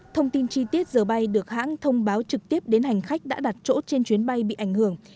thông tin chi tiết giờ bay được hãng thông báo trực tiếp đến hành khách đã đặt chỗ trên chuyến bay bị ảnh hưởng